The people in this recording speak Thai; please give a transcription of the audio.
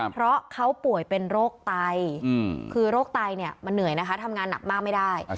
เพราะเขาป่วยเป็นโรคไตคือโรคไตเนี่ยมันเหนื่อยนะคะทำงานหนักมากไม่ได้